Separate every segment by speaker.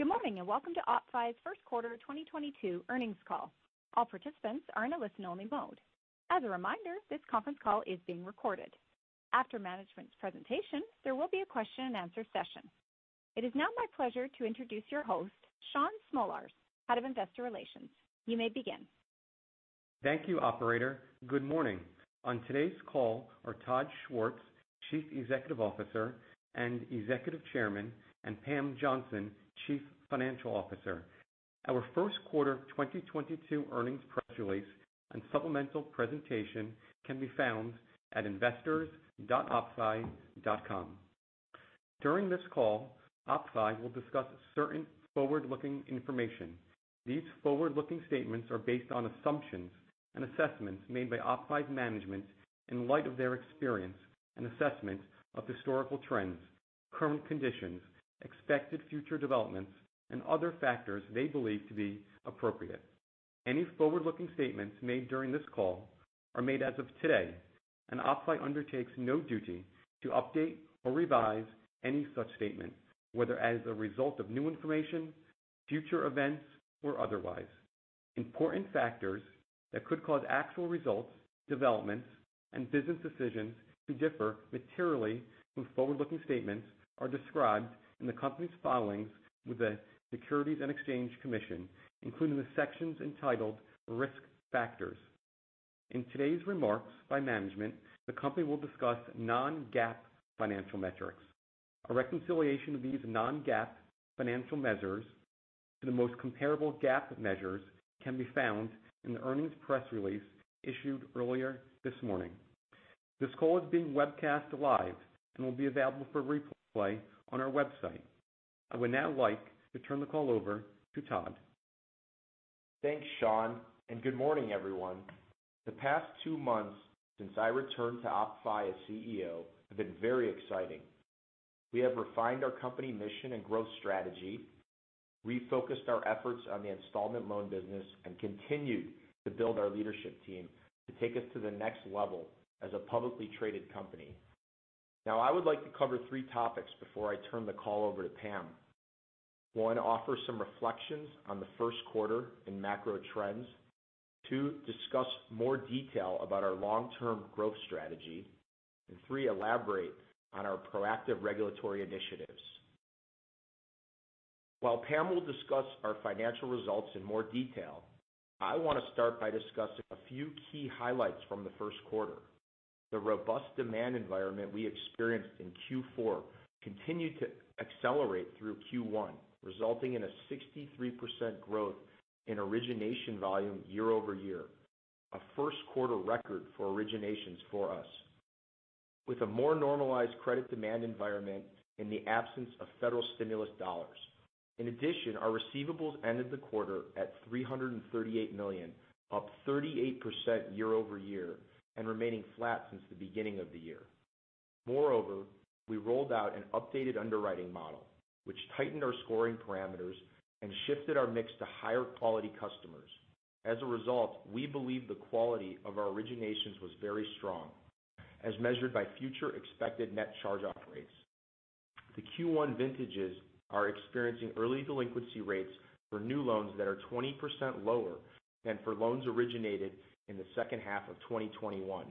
Speaker 1: Good morning, and welcome to OppFi's Q1 2022 earnings call. All participants are in a listen-only mode. As a reminder, this conference call is being recorded. After management's presentation, there will be a question and answer session. It is now my pleasure to introduce your host, Shaun Smolarz, Head of Investor Relations. You may begin.
Speaker 2: Thank you, operator. Good morning. On today's call are Todd Schwartz, Chief Executive Officer and Executive Chairman, and Pamela Johnson, Chief Financial Officer. Our Q1 2022 earnings press release and supplemental presentation can be found at investors.oppfi.com. During this call, OppFi will discuss certain forward-looking information. These forward-looking statements are based on assumptions and assessments made by OppFi's management in light of their experience and assessment of historical trends, current conditions, expected future developments, and other factors they believe to be appropriate. Any forward-looking statements made during this call are made as of today, and OppFi undertakes no duty to update or revise any such statement, whether as a result of new information, future events, or otherwise. Important factors that could cause actual results, developments, and business decisions to differ materially from forward-looking statements are described in the company's filings with the Securities and Exchange Commission, including the sections entitled Risk Factors. In today's remarks by management, the company will discuss non-GAAP financial metrics. A reconciliation of these non-GAAP financial measures to the most comparable GAAP measures can be found in the earnings press release issued earlier this morning. This call is being webcast live and will be available for replay on our website. I would now like to turn the call over to Todd.
Speaker 3: Thanks, Shaun, and good morning, everyone. The past two months since I returned to OppFi as CEO have been very exciting. We have refined our company mission and growth strategy, refocused our efforts on the installment loan business, and continued to build our leadership team to take us to the next level as a publicly traded company. Now, I would like to cover three topics before I turn the call over to Pam. One, offer some reflections on the Q1 and macro trends. Two, discuss more detail about our long-term growth strategy. Three, elaborate on our proactive regulatory initiatives. While Pam will discuss our financial results in more detail, I wanna start by discussing a few key highlights from the Q1. The robust demand environment we experienced in Q4 continued to accelerate through Q1, resulting in a 63% growth in origination volume year-over-year. A Q1 record for originations for us with a more normalized credit demand environment in the absence of federal stimulus dollars. In addition, our receivables ended the quarter at $338 million, up 38% year over year and remaining flat since the beginning of the year. Moreover, we rolled out an updated underwriting model which tightened our scoring parameters and shifted our mix to higher quality customers. As a result, we believe the quality of our originations was very strong as measured by future expected net charge-off rates. The Q1 vintages are experiencing early delinquency rates for new loans that are 20% lower than for loans originated in the H2 of 2021.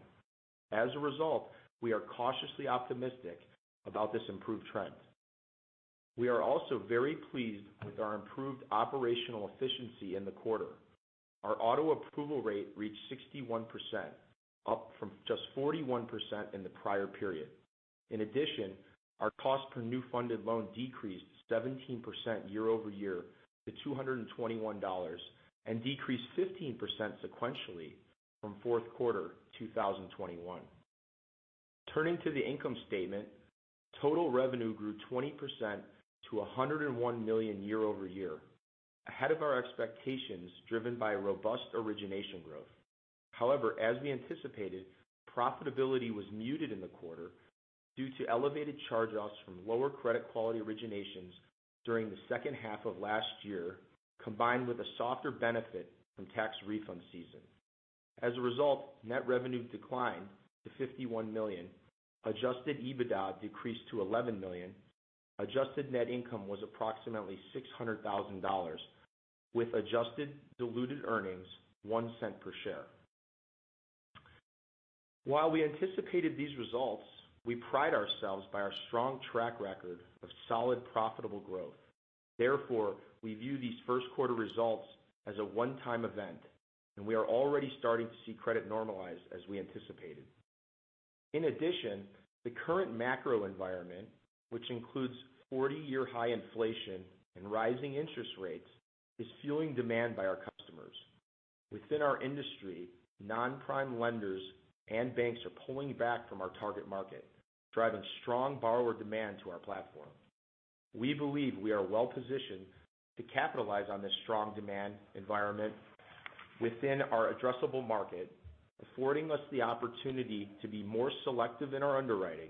Speaker 3: As a result, we are cautiously optimistic about this improved trend. We are also very pleased with our improved operational efficiency in the quarter. Our auto approval rate reached 61%, up from just 41% in the prior period. In addition, our cost per new funded loan decreased 17% year-over-year to $221 and decreased 15% sequentially from Q4 2021. Turning to the income statement, total revenue grew 20% to $101 million year-over-year, ahead of our expectations, driven by robust origination growth. However, as we anticipated, profitability was muted in the quarter due to elevated charge-offs from lower credit quality originations during the H2 of last year, combined with a softer benefit from tax refund season. As a result, net revenue declined to $51 million. Adjusted EBITDA decreased to $11 million. Adjusted net income was approximately $600,000 with adjusted diluted earnings $0.01 Per share. While we anticipated these results, we pride ourselves by our strong track record of solid profitable growth. Therefore, we view these Q1 results as a one-time event, and we are already starting to see credit normalize as we anticipated. In addition, the current macro environment, which includes 40-year high inflation and rising interest rates, is fueling demand by our customers. Within our industry, non-prime lenders and banks are pulling back from our target market, driving strong borrower demand to our platform. We believe we are well-positioned to capitalize on this strong demand environment within our addressable market, affording us the opportunity to be more selective in our underwriting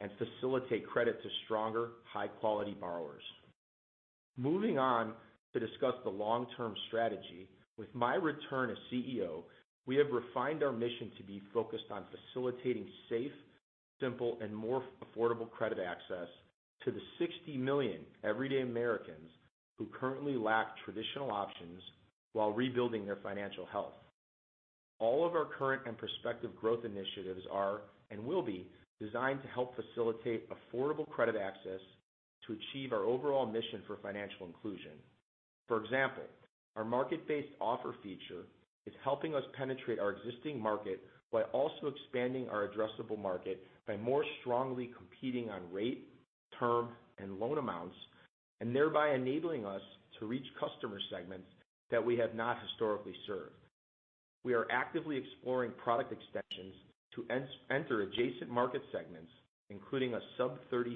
Speaker 3: and facilitate credit to stronger, high-quality borrowers. Moving on to discuss the long-term strategy. With my return as CEO, we have refined our mission to be focused on facilitating safe, simple and more affordable credit access to the 60 million everyday Americans who currently lack traditional options while rebuilding their financial health. All of our current and prospective growth initiatives are, and will be designed to help facilitate affordable credit access to achieve our overall mission for financial inclusion. For example, our market-based offer feature is helping us penetrate our existing market while also expanding our addressable market by more strongly competing on rate, term, and loan amounts, and thereby enabling us to reach customer segments that we have not historically served. We are actively exploring product extensions to enter adjacent market segments, including a sub 36%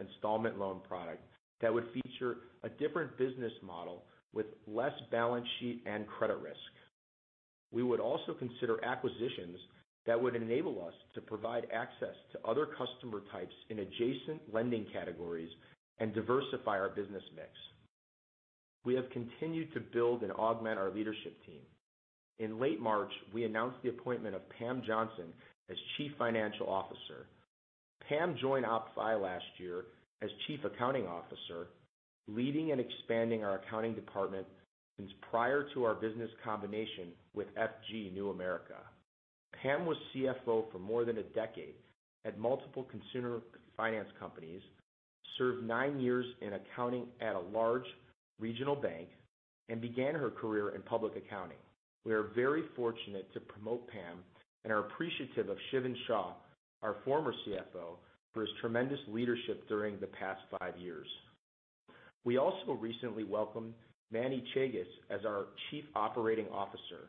Speaker 3: installment loan product that would feature a different business model with less balance sheet and credit risk. We would also consider acquisitions that would enable us to provide access to other customer types in adjacent lending categories and diversify our business mix. We have continued to build and augment our leadership team. In late March, we announced the appointment of Pam Johnson as Chief Financial Officer. Pam joined OppFi last year as Chief Accounting Officer, leading and expanding our accounting department since prior to our business combination with FG New America. Pam was CFO for more than a decade at multiple consumer finance companies, served nine years in accounting at a large regional bank and began her career in public accounting. We are very fortunate to promote Pam and are appreciative of Shiven Shah, our former CFO, for his tremendous leadership during the past five years. We also recently welcomed Manny Chagas as our Chief Operating Officer.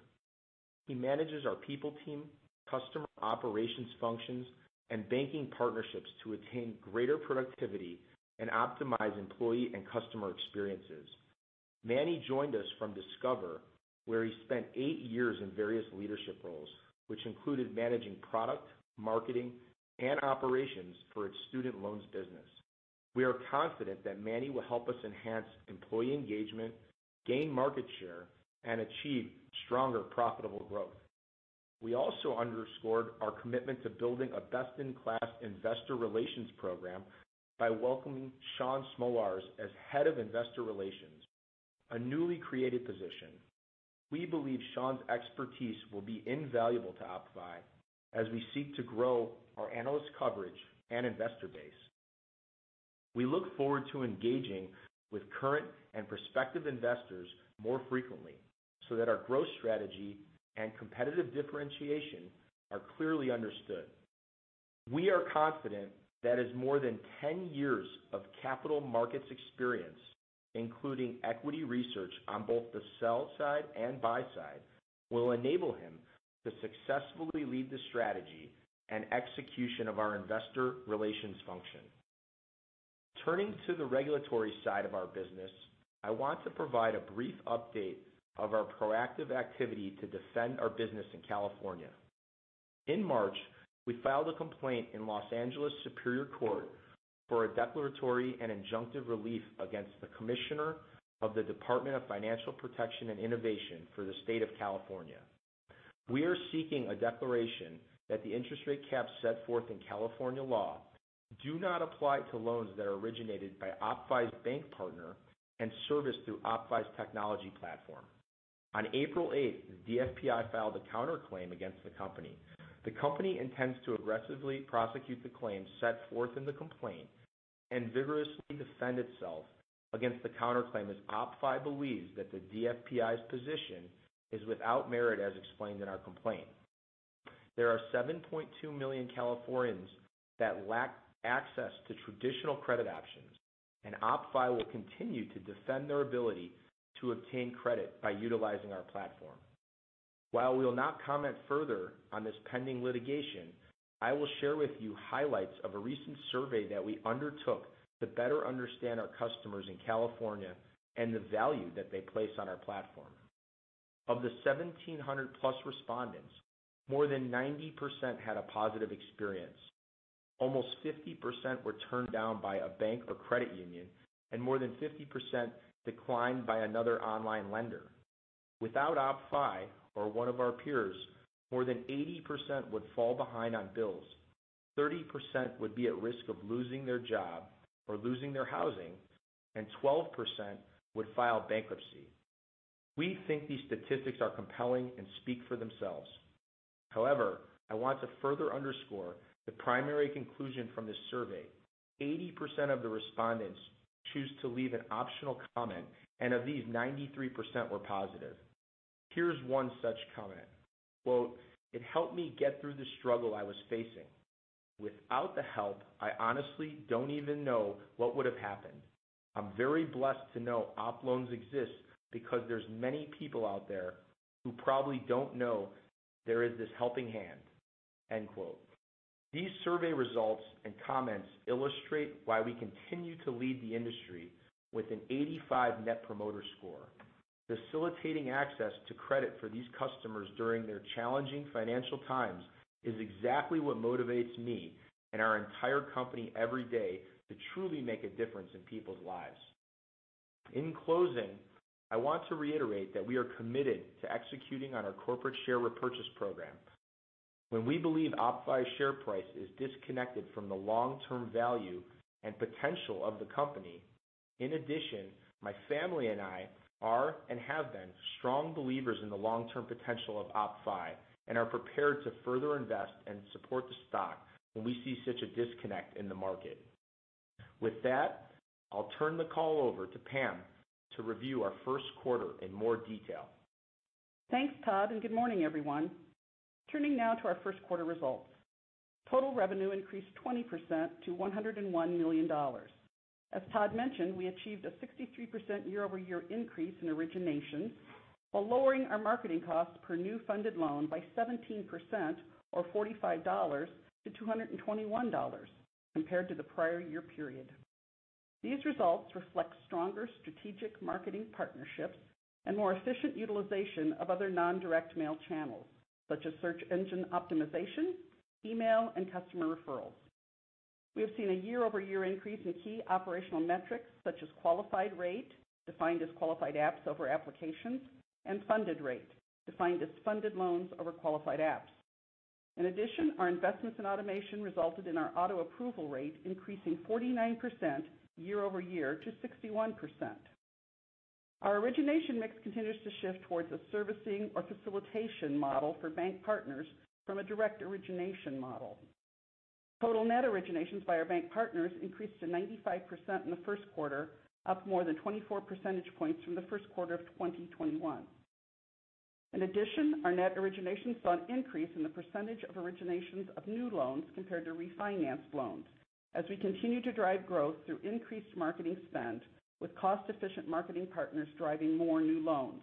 Speaker 3: He manages our people team, customer operations functions, and banking partnerships to attain greater productivity and optimize employee and customer experiences. Manny joined us from Discover, where he spent eight years in various leadership roles, which included managing product, marketing and operations for its student loans business. We are confident that Manny will help us enhance employee engagement, gain market share, and achieve stronger profitable growth. We also underscored our commitment to building a best-in-class investor relations program by welcoming Shaun Smolarz as Head of Investor Relations, a newly created position. We believe Shaun's expertise will be invaluable to OppFi as we seek to grow our analyst coverage and investor base. We look forward to engaging with current and prospective investors more frequently so that our growth strategy and competitive differentiation are clearly understood. We are confident that his more than 10 years of capital markets experience, including equity research on both the sell side and buy side, will enable him to successfully lead the strategy and execution of our investor relations function. Turning to the regulatory side of our business, I want to provide a brief update of our proactive activity to defend our business in California. In March, we filed a complaint in Los Angeles Superior Court for a declaratory and injunctive relief against the Commissioner of the Department of Financial Protection and Innovation for the State of California. We are seeking a declaration that the interest rate caps set forth in California law do not apply to loans that are originated by OppFi's bank partner and serviced through OppFi's technology platform. On April 8th, the DFPI filed a counterclaim against the company. The company intends to aggressively prosecute the claims set forth in the complaint and vigorously defend itself against the counterclaim, as OppFi believes that the DFPI's position is without merit, as explained in our complaint. There are 7.2 million Californians that lack access to traditional credit options, and OppFi will continue to defend their ability to obtain credit by utilizing our platform. While we will not comment further on this pending litigation, I will share with you highlights of a recent survey that we undertook to better understand our customers in California and the value that they place on our platform. Of the 1,700+ respondents, more than 90% had a positive experience. Almost 50% were turned down by a bank or credit union, and more than 50% declined by another online lender. Without OppFi or one of our peers, more than 80% would fall behind on bills. 30% would be at risk of losing their job or losing their housing, and 12% would file bankruptcy. We think these statistics are compelling and speak for themselves. However, I want to further underscore the primary conclusion from this survey. 80% of the respondents choose to leave an optional comment, and of these, 93% were positive. Here's one such comment. "It helped me get through the struggle I was facing. Without the help, I honestly don't even know what would have happened. I'm very blessed to know OppLoans exists because there's many people out there who probably don't know there is this helping hand." These survey results and comments illustrate why we continue to lead the industry with an 85 Net Promoter Score. Facilitating access to credit for these customers during their challenging financial times is exactly what motivates me and our entire company every day to truly make a difference in people's lives. In closing, I want to reiterate that we are committed to executing on our corporate share repurchase program when we believe OppFi's share price is disconnected from the long-term value and potential of the company. In addition, my family and I are and have been strong believers in the long-term potential of OppFi and are prepared to further invest and support the stock when we see such a disconnect in the market. With that, I'll turn the call over to Pam to review our Q1 in more detail.
Speaker 4: Thanks, Todd, and good morning, everyone. Turning now to our Q1 results. Total revenue increased 20% to $101 million. As Todd mentioned, we achieved a 63% year-over-year increase in origination while lowering our marketing costs per new funded loan by 17% or $45-$221 compared to the prior year period. These results reflect stronger strategic marketing partnerships and more efficient utilization of other non-direct mail channels, such as search engine optimization, email, and customer referrals. We have seen a year-over-year increase in key operational metrics such as qualified rate, defined as qualified apps over applications, and funded rate, defined as funded loans over qualified apps. In addition, our investments in automation resulted in our auto-approval rate increasing 49% year-over-year to 61%. Our origination mix continues to shift towards a servicing or facilitation model for bank partners from a direct origination model. Total net originations by our bank partners increased to 95% in the Q1, up more than 24 percentage points from the Q1 of 2021. In addition, our net origination saw an increase in the percentage of originations of new loans compared to refinance loans as we continue to drive growth through increased marketing spend, with cost-efficient marketing partners driving more new loans.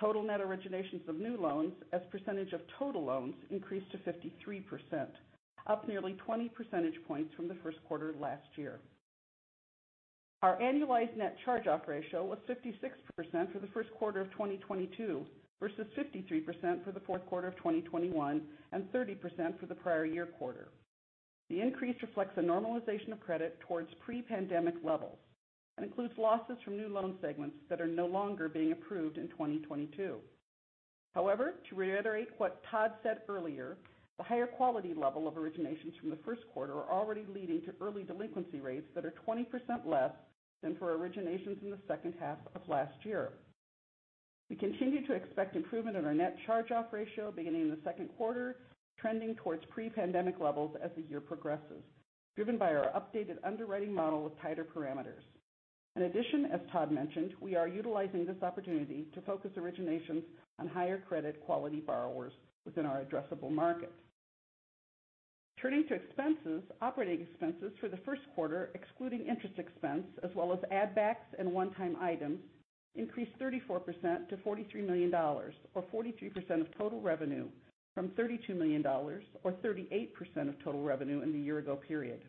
Speaker 4: Total net originations of new loans as percentage of total loans increased to 53%, up nearly 20 percentage points from the Q1 last year. Our annualized net charge-off ratio was 56% for the Q1 of 2022 versus 53% for the Q4 of 2021 and 30% for the prior year quarter. The increase reflects a normalization of credit towards pre-pandemic levels and includes losses from new loan segments that are no longer being approved in 2022. However, to reiterate what Todd said earlier, the higher quality level of originations from the Q1 are already leading to early delinquency rates that are 20% less than for originations in the H2 of last year. We continue to expect improvement in our net charge-off ratio beginning in the Q2, trending towards pre-pandemic levels as the year progresses, driven by our updated underwriting model with tighter parameters. In addition, as Todd mentioned, we are utilizing this opportunity to focus originations on higher credit quality borrowers within our addressable market. Turning to expenses. Operating expenses for the Q1, excluding interest expense as well as add backs and one-time items, increased 34% to $43 million, or 43% of total revenue from $32 million or 38% of total revenue in the year-ago period.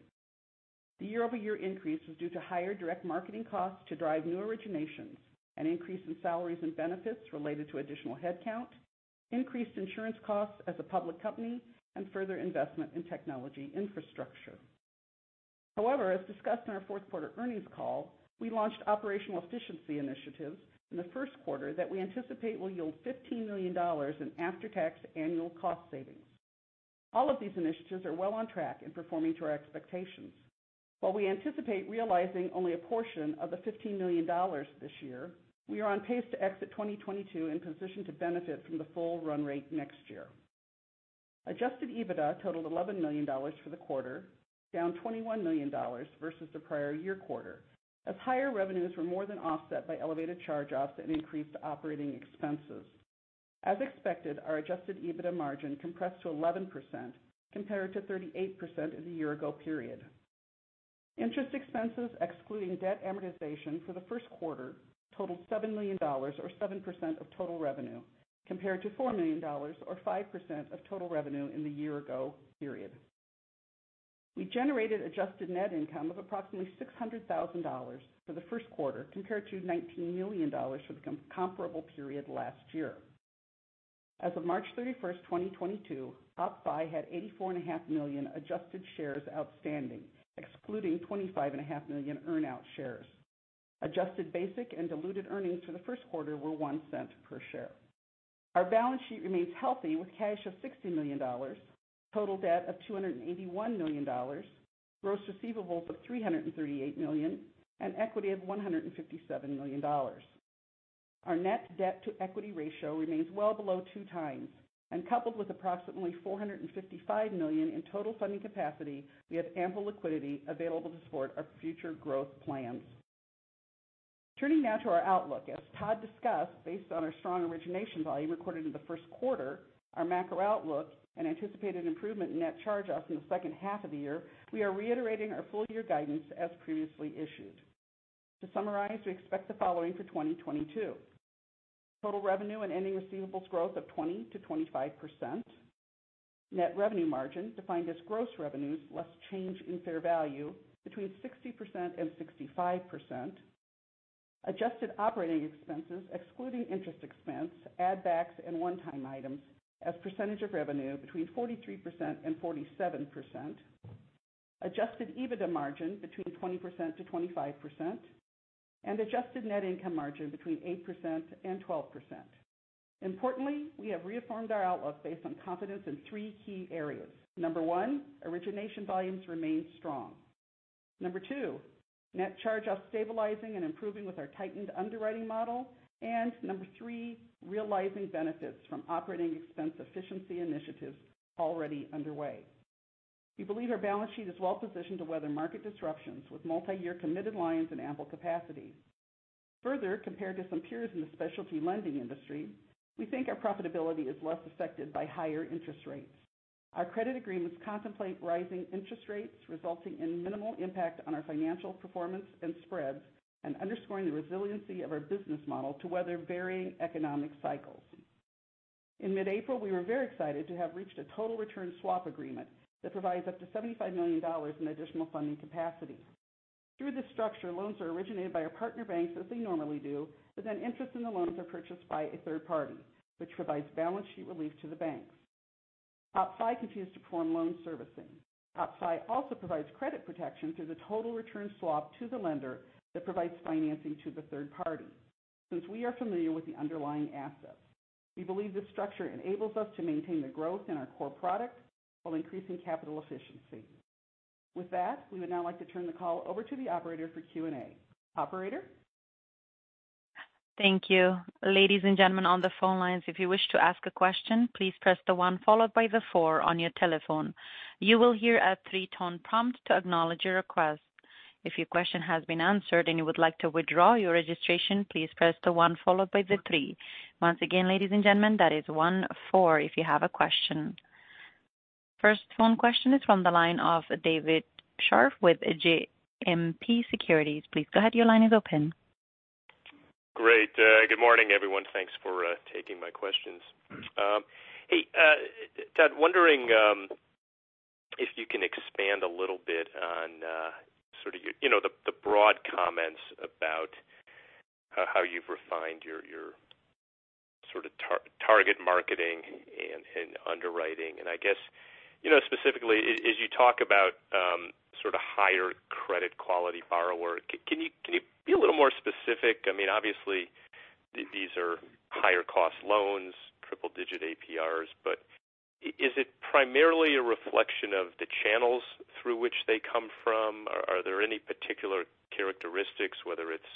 Speaker 4: The year-over-year increase was due to higher direct marketing costs to drive new originations, an increase in salaries and benefits related to additional headcount, increased insurance costs as a public company, and further investment in technology infrastructure. However, as discussed in our Q4 earnings call, we launched operational efficiency initiatives in the Q1 that we anticipate will yield $15 million in after-tax annual cost savings. All of these initiatives are well on track in performing to our expectations. While we anticipate realizing only a portion of the $15 million this year, we are on pace to exit 2022 in position to benefit from the full run rate next year. Adjusted EBITDA totaled $11 million for the quarter, down $21 million versus the prior year quarter as higher revenues were more than offset by elevated charge-offs and increased operating expenses. As expected, our adjusted EBITDA margin compressed to 11% compared to 38% in the year-ago period. Interest expenses excluding debt amortization for the Q1 totaled $7 million, or 7% of total revenue, compared to $4 million or 5% of total revenue in the year-ago period. We generated adjusted net income of approximately $600,000 for the Q1 compared to $19 million for the comparable period last year. As of March 31st, 2022, OppFi had 84.5 million adjusted shares outstanding, excluding 25.5 million earn out shares. Adjusted basic and diluted earnings for the Q1 were $0.01 per share. Our balance sheet remains healthy with cash of $60 million, total debt of $281 million, gross receivables of $338 million, and equity of $157 million. Our net debt-to-equity ratio remains well below 2x and coupled with approximately $455 million in total funding capacity, we have ample liquidity available to support our future growth plans. Turning now to our outlook. As Todd discussed, based on our strong origination volume recorded in the Q1, our macro outlook and anticipated improvement in net charge-offs in the H2 of the year, we are reiterating our full year guidance as previously issued. To summarize, we expect the following for 2022. Total revenue and ending receivables growth of 20%-25%. Net revenue margin defined as gross revenues less change in fair value between 60%-65%. Adjusted operating expenses excluding interest expense, add backs and one-time items as percentage of revenue between 43%-47%. Adjusted EBITDA margin between 20%-25%, and adjusted net income margin between 8%-12%. Importantly, we have refined our outlook based on confidence in three key areas. Number one, origination volumes remain strong. Number two, net charge-offs stabilizing and improving with our tightened underwriting model. Number three, realizing benefits from operating expense efficiency initiatives already underway. We believe our balance sheet is well positioned to weather market disruptions with multi-year committed lines and ample capacity. Further, compared to some peers in the specialty lending industry, we think our profitability is less affected by higher interest rates. Our credit agreements contemplate rising interest rates resulting in minimal impact on our financial performance and spreads and underscoring the resiliency of our business model to weather varying economic cycles. In mid-April, we were very excited to have reached a total return swap agreement that provides up to $75 million in additional funding capacity. Through this structure, loans are originated by our partner banks as they normally do, but then interest in the loans are purchased by a third party, which provides balance sheet relief to the banks. OppFi continues to perform loan servicing. OppFi also provides credit protection through the total return swap to the lender that provides financing to the third party. Since we are familiar with the underlying assets, we believe this structure enables us to maintain the growth in our core products while increasing capital efficiency. With that, we would now like to turn the call over to the operator for Q&A. Operator?
Speaker 1: Thank you. Ladies and gentlemen, on the phone lines, if you wish to ask a question, please press the one followed by the four on your telephone. You will hear a three-tone prompt to acknowledge your request. If your question has been answered and you would like to withdraw your registration, please press the one followed by the three. Once again, ladies and gentlemen, that is one, four if you have a question. First phone question is from the line of David Scharf with JMP Securities. Please go ahead. Your line is open.
Speaker 5: Great. Good morning, everyone. Thanks for taking my questions. Hey, Todd, wondering if you can expand a little bit on sort of, you know, the broad comments about how you've refined your sort of target marketing and underwriting. I guess, you know, specifically as you talk about sort of higher credit quality borrower, can you be a little more specific? I mean, obviously these are higher cost loans, triple-digit APRs. Is it primarily a reflection of the channels through which they come from? Are there any particular characteristics, whether it's,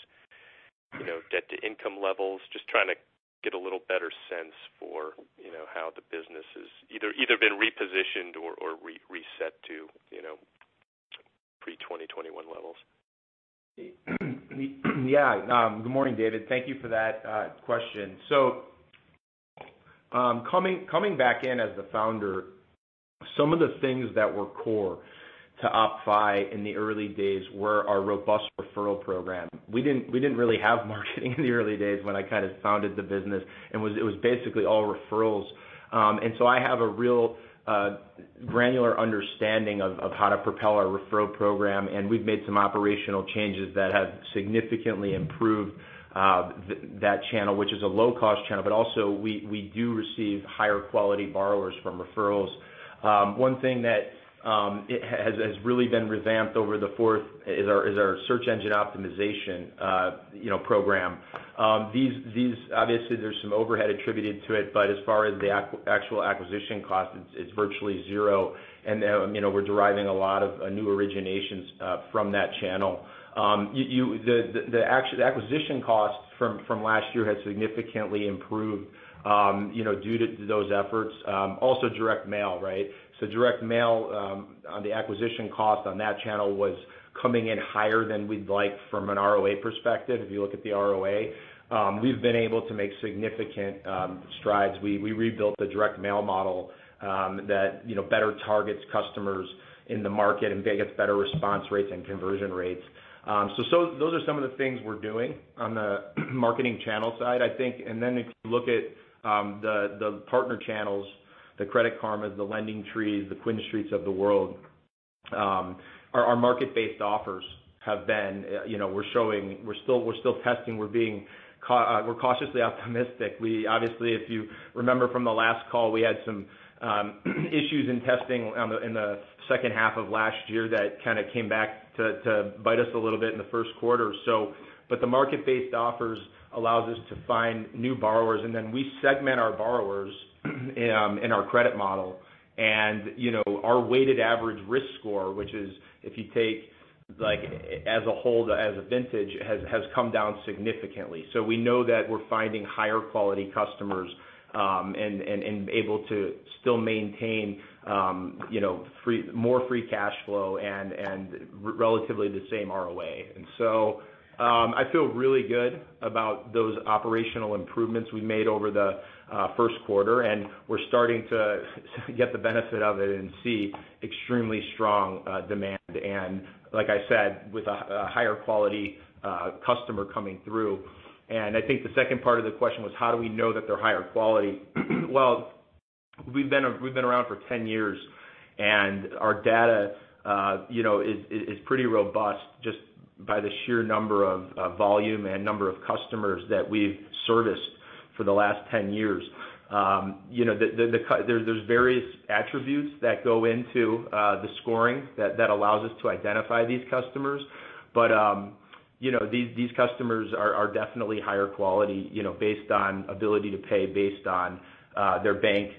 Speaker 5: you know, debt-to-income levels? Just trying to get a little better sense for, you know, how the business has either been repositioned or reset to, you know, pre-2021 levels.
Speaker 3: Yeah. Good morning, David. Thank you for that question. Coming back in as the founder, some of the things that were core to OppFi in the early days were our robust referral program. We didn't really have marketing in the early days when I kind of founded the business. It was basically all referrals. I have a real granular understanding of how to propel our referral program, and we've made some operational changes that have significantly improved that channel, which is a low-cost channel. We do receive higher quality borrowers from referrals. One thing that it has really been revamped over the fourth is our search engine optimization, you know, program. These obviously there's some overhead attributed to it, but as far as the actual acquisition cost, it's virtually zero. You know, we're deriving a lot of new originations from that channel. The acquisition costs from last year has significantly improved, you know, due to those efforts. Also direct mail, right? Direct mail on the acquisition cost on that channel was coming in higher than we'd like from an ROA perspective, if you look at the ROA. We've been able to make significant strides. We rebuilt the direct mail model that you know better targets customers in the market, and they get better response rates and conversion rates. Those are some of the things we're doing on the marketing channel side, I think. If you look at the partner channels, the Credit Karmas, the LendingTree, the QuinStreet of the world, our market-based offers have been, you know, we're still testing, we're cautiously optimistic. We obviously, if you remember from the last call, we had some issues in testing in the H2 of last year that kind of came back to bite us a little bit in the Q1. The market-based offers allows us to find new borrowers, and then we segment our borrowers in our credit model. You know, our weighted average risk score, which is if you take like as a whole, as a vintage has come down significantly. We know that we're finding higher quality customers, and able to still maintain, you know, more free cash flow and relatively the same ROA. I feel really good about those operational improvements we made over the Q1. We're starting to get the benefit of it and see extremely strong demand and like I said, with a higher quality customer coming through. I think the second part of the question was, how do we know that they're higher quality? Well, we've been around for 10 years, and our data, you know, is pretty robust just by the sheer number of volume and number of customers that we've serviced for the last 10 years. You know, there's various attributes that go into the scoring that allows us to identify these customers. These customers are definitely higher quality, you know, based on ability to pay, based on their bank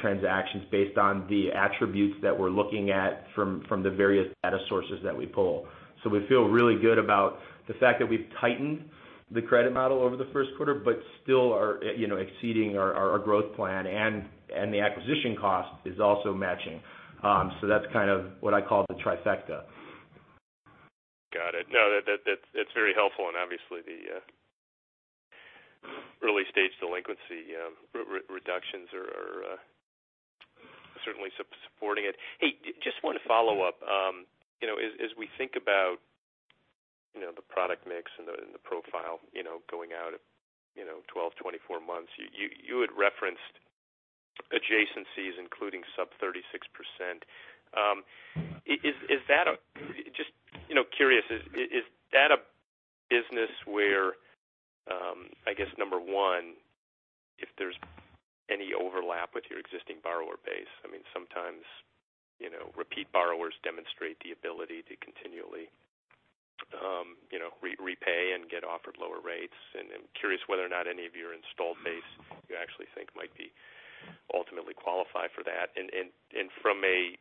Speaker 3: transactions, based on the attributes that we're looking at from the various data sources that we pull. We feel really good about the fact that we've tightened the credit model over the Q1, but still are, you know, exceeding our growth plan and the acquisition cost is also matching. That's kind of what I call the trifecta.
Speaker 5: Got it. No, that's very helpful. Obviously the early stage delinquency reductions are certainly supporting it. Hey, just one follow-up. You know, as we think about, you know, the product mix and the profile, you know, going out, you know, 12, 24 months, you had referenced adjacencies including sub 36%. Is that a. Just, you know, curious, is that a business where, I guess number one, if there's any overlap with your existing borrower base. I mean, sometimes, you know, repeat borrowers demonstrate the ability to continually, you know, repay and get offered lower rates. I'm curious whether or not any of your installed base you actually think might be ultimately qualify for that. From a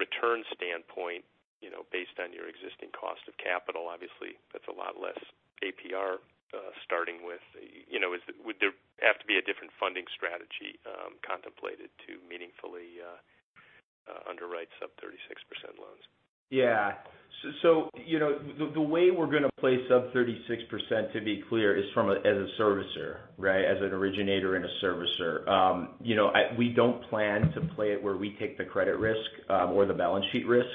Speaker 5: return standpoint, you know, based on your existing cost of capital, obviously, that's a lot less APR starting with. You know, would there have to be a different funding strategy contemplated to meaningfully underwrite sub-36% loans?
Speaker 3: Yeah. You know, the way we're gonna play sub 36% to be clear, is from a, as a servicer, right? As an originator and a servicer. You know, we don't plan to play it where we take the credit risk, or the balance sheet risk.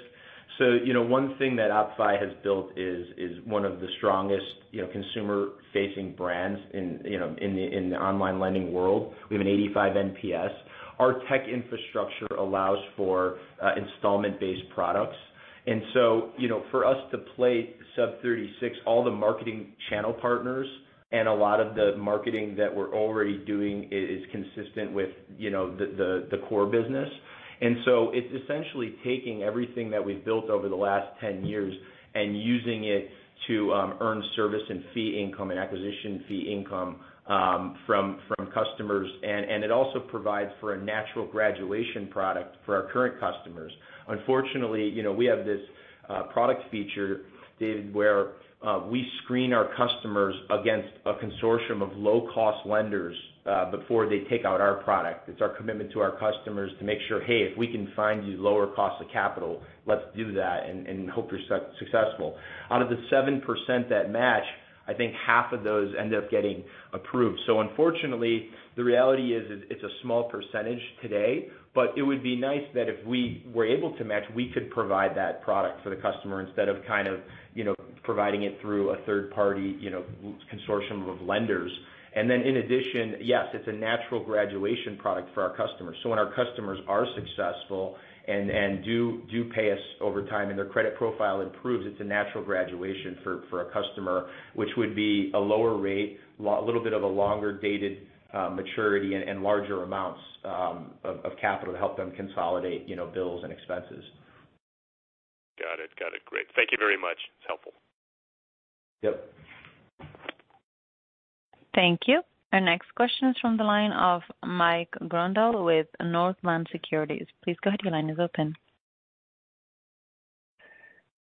Speaker 3: You know, one thing that OppFi has built is one of the strongest, you know, consumer-facing brands in, you know, in the, in the online lending world. We have an 85 NPS. Our tech infrastructure allows for, installment-based products. You know, for us to play sub 36%, all the marketing channel partners and a lot of the marketing that we're already doing is consistent with, you know, the core business. It's essentially taking everything that we've built over the last 10 years and using it to earn service and fee income and acquisition fee income from customers. It also provides for a natural graduation product for our current customers. Unfortunately, you know, we have this product feature, David, where we screen our customers against a consortium of low-cost lenders before they take out our product. It's our commitment to our customers to make sure, hey, if we can find you lower cost of capital, let's do that and hope you're successful. Out of the 7% that match, I think half of those end up getting approved. Unfortunately, the reality is, it's a small percentage today, but it would be nice that if we were able to match, we could provide that product for the customer instead of kind of, you know, providing it through a third party, you know, consortium of lenders. In addition, yes, it's a natural graduation product for our customers. When our customers are successful and do pay us over time and their credit profile improves, it's a natural graduation for a customer, which would be a lower rate, a little bit of a longer dated maturity and larger amounts of capital to help them consolidate, you know, bills and expenses.
Speaker 5: Got it. Great. Thank you very much. It's helpful.
Speaker 3: Yep.
Speaker 1: Thank you. Our next question is from the line of Mike Grondahl with Northland Securities. Please go ahead, your line is open.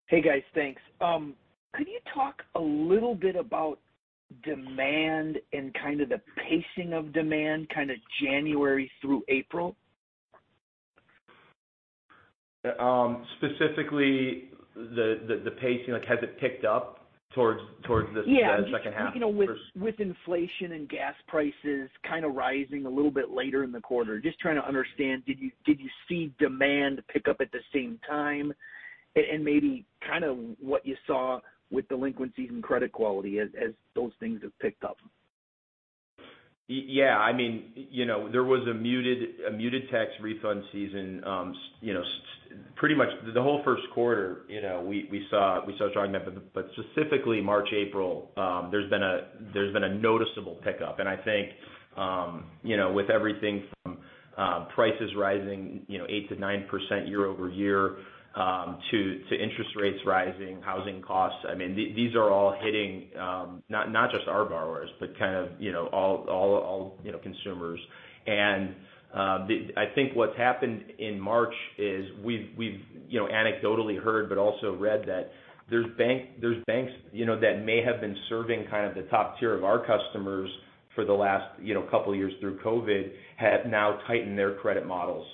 Speaker 6: Hey, guys. Thanks. Could you talk a little bit about demand and kind of the pacing of demand, kind of January through April?
Speaker 3: Specifically the pacing, like, has it picked up towards the H2?
Speaker 6: Yeah. Just thinking of with inflation and gas prices kind of rising a little bit later in the quarter. Just trying to understand, did you see demand pick up at the same time? Maybe kind of what you saw with delinquencies and credit quality as those things have picked up.
Speaker 3: Yeah. I mean, you know, there was a muted tax refund season pretty much the whole Q1, you know, we saw a strong number. Specifically March, April, there's been a noticeable pickup. I think, you know, with everything from prices rising, you know, 8%-9% year-over-year to interest rates rising, housing costs, I mean, these are all hitting not just our borrowers, but kind of, you know, all consumers. I think what's happened in March is we've anecdotally heard, but also read that there's banks, you know, that may have been serving kind of the top tier of our customers for the last, you know, couple of years through COVID, have now tightened their credit models.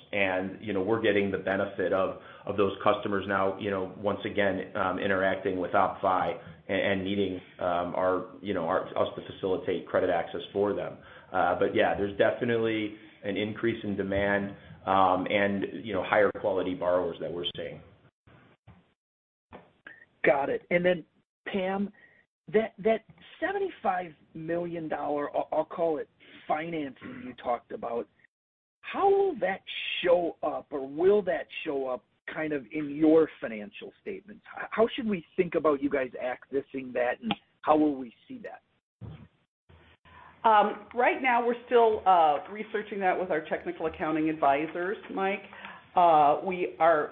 Speaker 3: You know, we're getting the benefit of those customers now, you know, once again interacting with OppFi and needing us to facilitate credit access for them. Yeah, there's definitely an increase in demand, and, you know, higher quality borrowers that we're seeing.
Speaker 6: Got it. Pam, that $75 million financing you talked about. How will that show up or will that show up kind of in your financial statements? How should we think about you guys accessing that, and how will we see that?
Speaker 4: Right now, we're still researching that with our technical accounting advisors, Mike. We are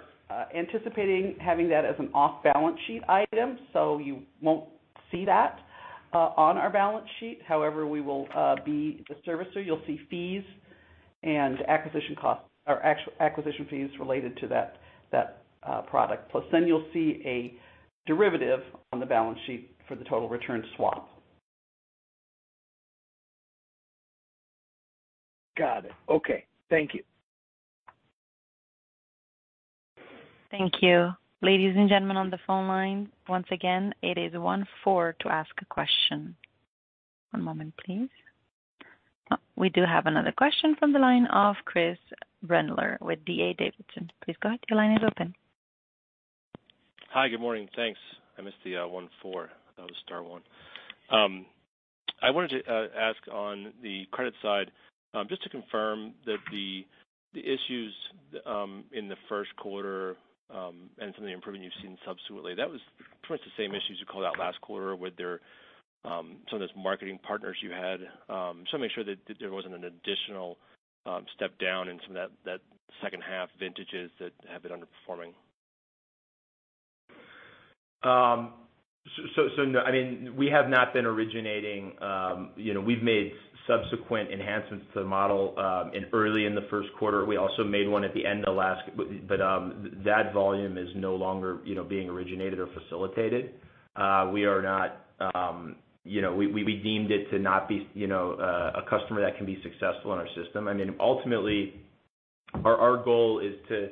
Speaker 4: anticipating having that as an off-balance sheet item, so you won't see that on our balance sheet. However, we will be the servicer. You'll see fees and acquisition costs or acquisition fees related to that product. Plus then you'll see a derivative on the balance sheet for the total return swap.
Speaker 6: Got it. Okay. Thank you.
Speaker 1: Thank you. Ladies and gentlemen on the phone line, once again, it is one, four to ask a question. One moment, please. Oh, we do have another question from the line of Chris Brendler with D.A. Davidson. Please go ahead. Your line is open.
Speaker 7: Hi. Good morning. Thanks. I missed the one, four. Thought it was star one. I wanted to ask on the credit side, just to confirm that the issues in the Q1 and some of the improvement you've seen subsequently, that was pretty much the same issues you called out last quarter with their some of those marketing partners you had, just wanna make sure that there wasn't an additional step down in some of that H2 vintages that have been underperforming.
Speaker 3: No. I mean, we have not been originating. You know, we've made subsequent enhancements to the model in early in the Q1. That volume is no longer, you know, being originated or facilitated. We deemed it to not be, you know, a customer that can be successful in our system. I mean, ultimately our goal is to,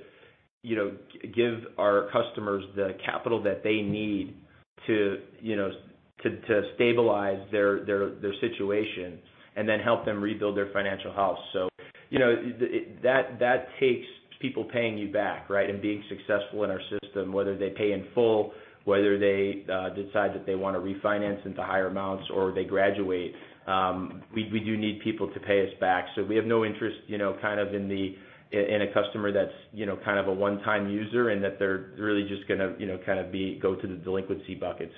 Speaker 3: you know, give our customers the capital that they need to, you know, to stabilize their situation and then help them rebuild their financial house. You know, that takes people paying you back, right? Being successful in our system, whether they pay in full, whether they decide that they wanna refinance into higher amounts or they graduate, we do need people to pay us back. We have no interest, you know, kind of in a customer that's, you know, kind of a one-time user, and that they're really just gonna, you know, kind of go to the delinquency bucket.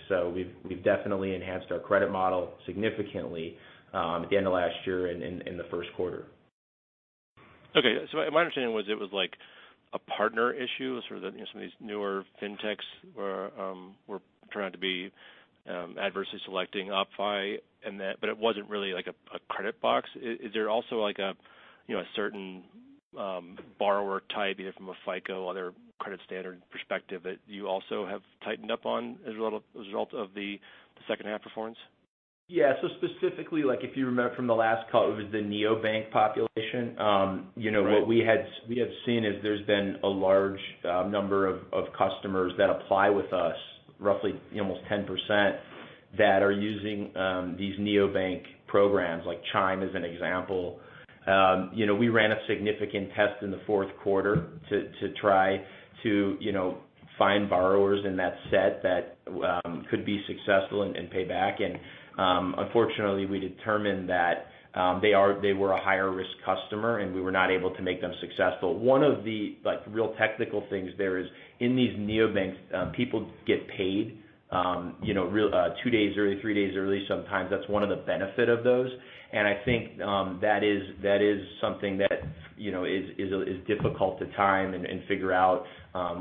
Speaker 3: We've definitely enhanced our credit model significantly at the end of last year and in the Q1.
Speaker 7: Okay. My understanding was it was, like, a partner issue, sort of, you know, some of these newer fintechs were trying to be adverse selecting OppFi and that. It wasn't really like a credit box. Is there also like a, you know, a certain borrower type, either from a FICO or other credit standard perspective that you also have tightened up on as a result of the H2 performance?
Speaker 3: Yeah. Specifically, like, if you remember from the last call, it was the neobank population, you know.
Speaker 7: Right. What we have seen is there's been a large number of customers that apply with us, roughly almost 10%, that are using these neobank programs, like Chime as an example. You know, we ran a significant test in the Q4 to try to find borrowers in that set that could be successful and pay back. Unfortunately, we determined that they were a higher risk customer, and we were not able to make them successful. One of the, like, real technical things there is in these neobanks, people get paid, you know, really two days early, three days early sometimes. That's one of the benefits of those.
Speaker 3: I think that is something that, you know, is difficult to time and figure out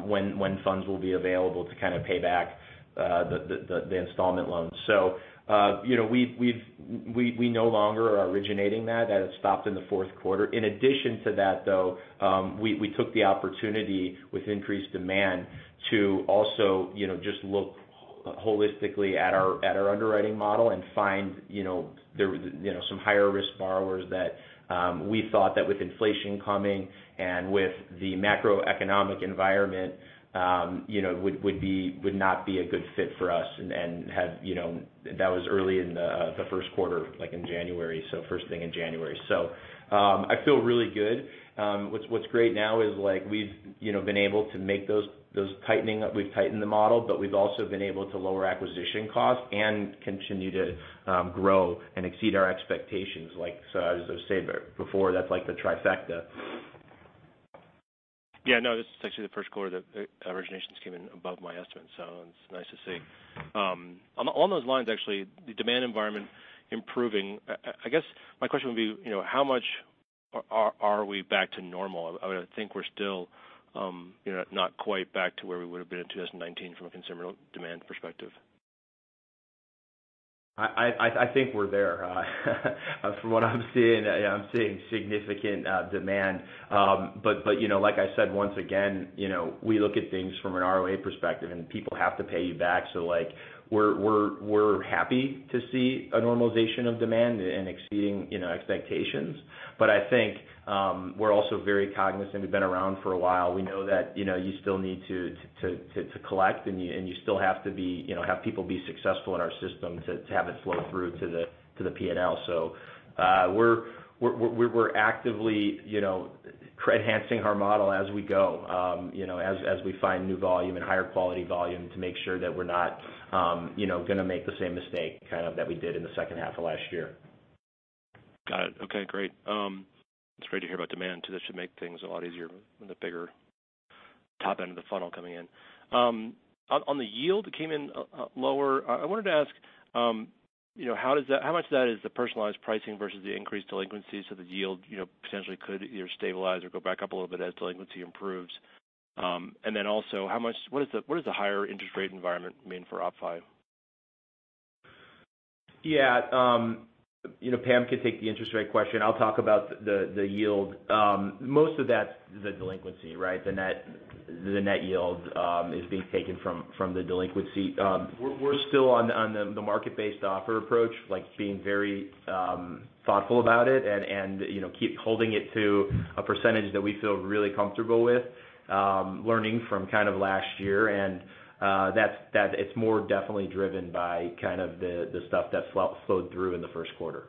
Speaker 3: when funds will be available to kinda pay back the installment loans. We no longer are originating that. That has stopped in the Q4. In addition to that, though, we took the opportunity with increased demand to also, you know, just look holistically at our underwriting model and find some higher risk borrowers that we thought that with inflation coming and with the macroeconomic environment, you know, would not be a good fit for us. That was early in the Q1, like in January, so first thing in January. I feel really good. What's great now is, like, we've, you know, been able to make those tightening. We've tightened the model, but we've also been able to lower acquisition costs and continue to grow and exceed our expectations. Like, as I said before, that's like the trifecta.
Speaker 7: Yeah, no. This is actually the Q1 that originations came in above my estimate, so it's nice to see. On those lines actually, the demand environment improving. I guess my question would be, you know, how much are we back to normal? I would think we're still, you know, not quite back to where we would've been in 2019 from a consumer demand perspective.
Speaker 3: I think we're there. From what I'm seeing, significant demand. You know, like I said, once again, you know, we look at things from an ROA perspective and people have to pay you back. Like, we're happy to see a normalization of demand and exceeding, you know, expectations. I think, we're also very cognizant. We've been around for a while. We know that, you know, you still need to collect, and you still have to be, you know, have people be successful in our system to have it flow through to the P&L. We're actively, you know, enhancing our model as we go, you know, as we find new volume and higher quality volume to make sure that we're not, you know, gonna make the same mistake kind of that we did in the H2 of last year.
Speaker 7: Got it. Okay, great. It's great to hear about demand too. That should make things a lot easier with the bigger top end of the funnel coming in. On the yield, it came in lower. I wanted to ask, you know, how much of that is the personalized pricing versus the increased delinquency, so the yield, you know, potentially could either stabilize or go back up a little bit as delinquency improves? And then also, what does the higher interest rate environment mean for OppFi?
Speaker 3: Yeah. You know, Pam can take the interest rate question. I'll talk about the yield. Most of that's the delinquency, right? The net yield is being taken from the delinquency. We're still on the market-based offer approach, like being very thoughtful about it and you know, keep holding it to a percentage that we feel really comfortable with, learning from kind of last year. That's more definitely driven by kind of the stuff that flowed through in the Q1.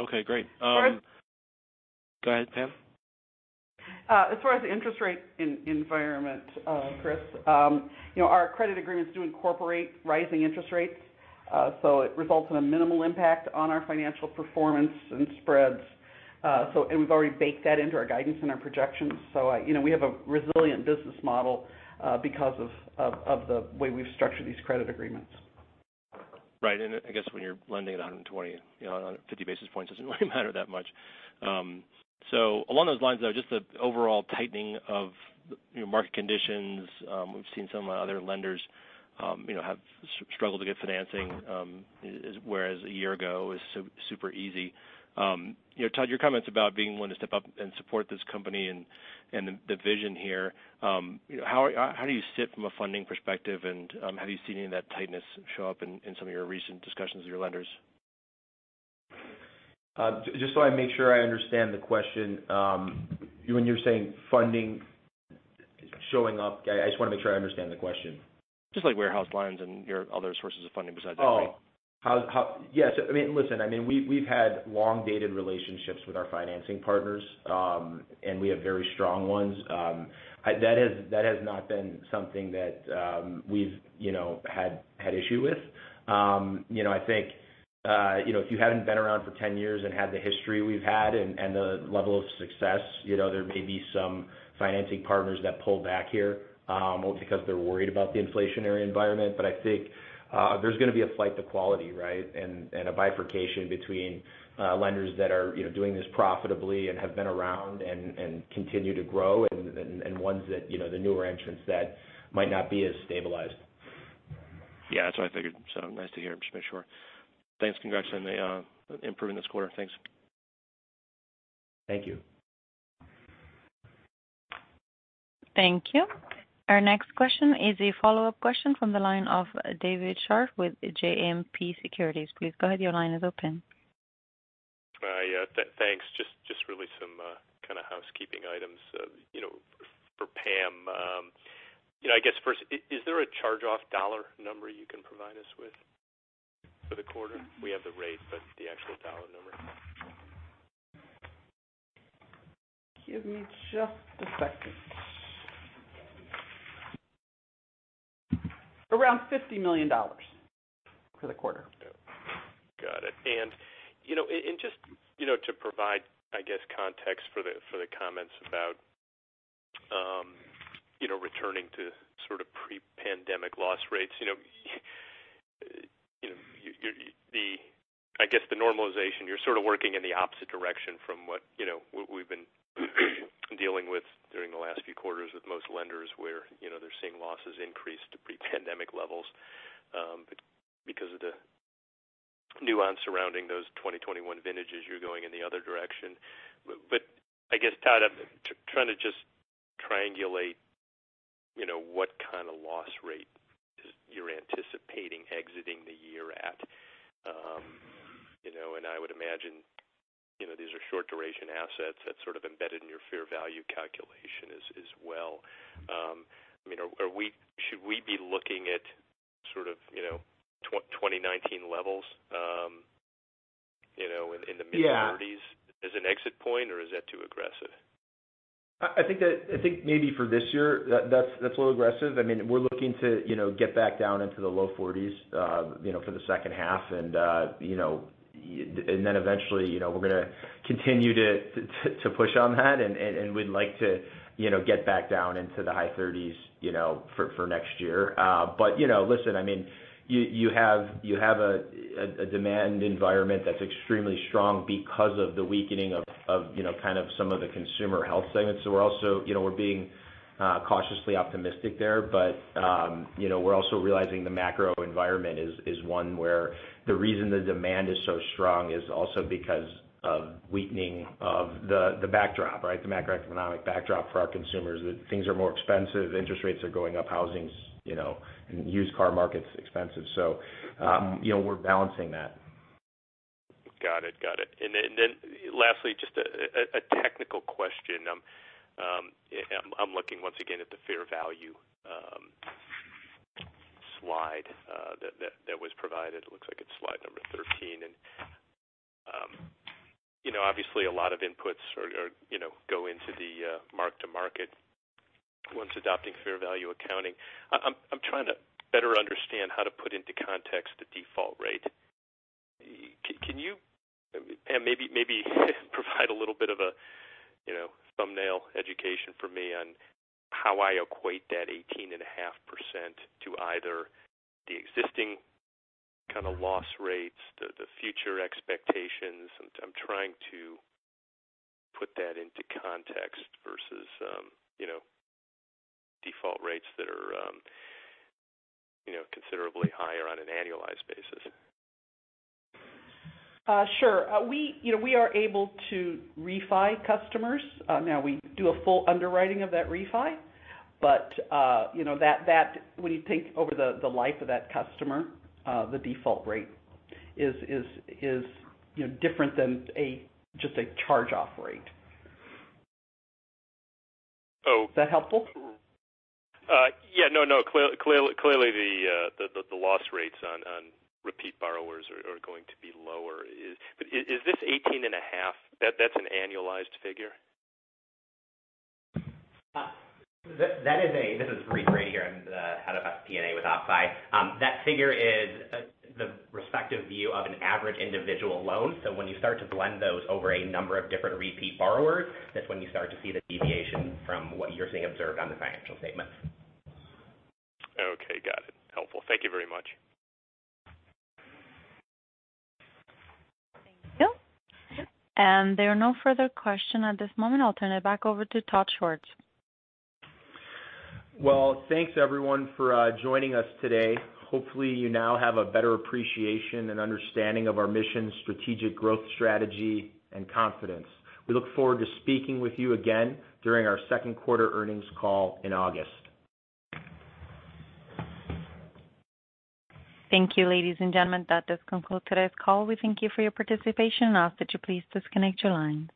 Speaker 7: Okay, great.
Speaker 4: As far as-
Speaker 7: Go ahead, Pam.
Speaker 4: As far as the interest rate environment, Chris, you know, our credit agreements do incorporate rising interest rates. It results in a minimal impact on our financial performance and spreads. We've already baked that into our guidance and our projections. You know, we have a resilient business model, because of the way we've structured these credit agreements.
Speaker 7: Right. I guess when you're lending at 120, you know, 50 basis points doesn't really matter that much. Along those lines though, just the overall tightening of, you know, market conditions, we've seen some other lenders, you know, have struggled to get financing, whereas a year ago, it was super easy. You know, Todd, your comments about being willing to step up and support this company and the vision here, you know, how do you sit from a funding perspective, and have you seen any of that tightness show up in some of your recent discussions with your lenders?
Speaker 3: Just so I make sure I understand the question, when you're saying funding showing up, I just wanna make sure I understand the question.
Speaker 7: Just like warehouse lines and your other sources of funding besides that.
Speaker 3: Yes. I mean, listen, I mean, we've had long-dated relationships with our financing partners, and we have very strong ones. That has not been something that we've, you know, had issue with. You know, I think, you know, if you hadn't been around for 10 years and had the history we've had and the level of success, you know, there may be some financing partners that pull back here, well, because they're worried about the inflationary environment. I think, there's gonna be a flight to quality, right? And a bifurcation between lenders that are, you know, doing this profitably and have been around and continue to grow and ones that, you know, the newer entrants that might not be as stabilized.
Speaker 7: Yeah, that's what I figured. Nice to hear. Just making sure. Thanks. Congrats on the improving this quarter. Thanks.
Speaker 3: Thank you.
Speaker 4: Thank you. Our next question is a follow-up question from the line of David Scharf with JMP Securities. Please go ahead. Your line is open.
Speaker 5: Yeah, thanks. Just really some kinda housekeeping items, you know, for Pam. You know, I guess first, is there a charge-off dollar number you can provide us with for the quarter? We have the rate, but the actual dollar number.
Speaker 4: Give me just a second. Around $50 million for the quarter.
Speaker 5: Got it. You know, just, you know, to provide, I guess, context for the comments about, you know, returning to sort of pre-pandemic loss rates. You know, the, I guess, the normalization, you're sort of working in the opposite direction from what, you know, what we've been dealing with during the last few quarters with most lenders where, you know, they're seeing losses increase to pre-pandemic levels. Because of the nuance surrounding those 2021 vintages, you're going in the other direction. I guess, Todd, I'm trying to just triangulate, you know, what kind of loss rate you're anticipating exiting the year at. You know, I would imagine, you know, these are short duration assets that's sort of embedded in your fair value calculation as well. I mean, should we be looking at sort of, you know, 2019 levels, you know, in the mid 30s?
Speaker 3: Yeah.
Speaker 5: as an exit point, or is that too aggressive?
Speaker 3: I think maybe for this year, that's a little aggressive. I mean, we're looking to, you know, get back down into the low 40s, you know, for the H2. You know, and then eventually, you know, we're gonna continue to push on that and we'd like to, you know, get back down into the high 30s, you know, for next year. You know, listen, I mean, you have a demand environment that's extremely strong because of the weakening of, you know, kind of some of the consumer health segments. We're also, you know, being cautiously optimistic there. You know, we're also realizing the macro environment is one where the reason the demand is so strong is also because of weakening of the backdrop, right? The macroeconomic backdrop for our consumers. That things are more expensive, interest rates are going up, housing's, you know, and used car market's expensive. you know, we're balancing that.
Speaker 5: Got it. Lastly, just a technical question. I'm looking once again at the fair value slide that was provided. It looks like it's slide number 13. You know, obviously a lot of inputs go into the mark to market once adopting fair value accounting. I'm trying to better understand how to put into context the default rate. Can you, Pam, maybe provide a little bit of a thumbnail education for me on how I equate that 18.5% to either the existing kinda loss rates, the future expectations. I'm trying to put that into context versus default rates that are considerably higher on an annualized basis.
Speaker 4: Sure. We, you know, we are able to refi customers. Now we do a full underwriting of that refi, but, you know, that when you think over the life of that customer, the default rate is, you know, different than just a charge-off rate.
Speaker 5: So-
Speaker 4: Is that helpful?
Speaker 5: Yeah, no. Clearly the loss rates on repeat borrowers are going to be lower. Is this 18.5, that's an annualized figure?
Speaker 8: This is Reid Brady here. I'm the head of FP&A with OppFi. That figure is the respective view of an average individual loan. When you start to blend those over a number of different repeat borrowers, that's when you start to see the deviation from what you're seeing observed on the financial statements.
Speaker 5: Okay. Got it. Helpful. Thank you very much.
Speaker 1: Thank you. There are no further questions at this moment. I'll turn it back over to Todd Schwartz.
Speaker 3: Well, thanks everyone for joining us today. Hopefully, you now have a better appreciation and understanding of our mission, strategic growth strategy, and confidence. We look forward to speaking with you again during our Q2 earnings call in August.
Speaker 1: Thank you, ladies and gentlemen. That does conclude today's call. We thank you for your participation and ask that you please disconnect your lines.